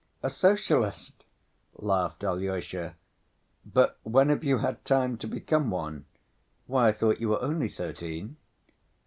"A Socialist?" laughed Alyosha. "But when have you had time to become one? Why, I thought you were only thirteen?"